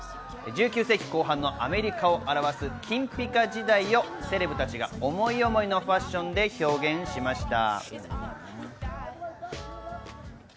１９世紀後半のアメリカを表す金ピカ時代をセレブたちが思い思いのファッションで表現しました。